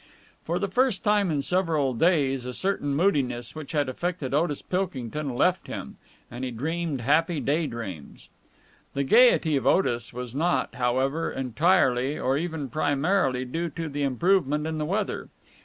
For the first time in several days a certain moodiness which had affected Otis Pilkington left him, and he dreamed happy day dreams. The gaiety of Otis was not, however, entirely or even primarily due to the improvement in the weather.